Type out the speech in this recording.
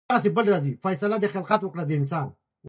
فیصله د خلقت وکړه د انسان ,